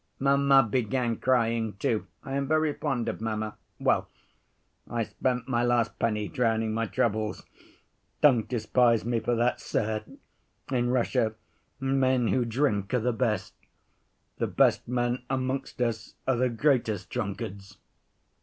Mamma began crying, too—I am very fond of mamma—well, I spent my last penny drowning my troubles. Don't despise me for that, sir, in Russia men who drink are the best. The best men amongst us are the greatest drunkards.